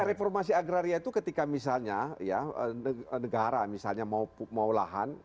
kondisi agraria itu ketika misalnya negara mau lahan